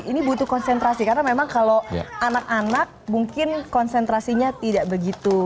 ini butuh konsentrasi karena memang kalau anak anak mungkin konsentrasinya tidak begitu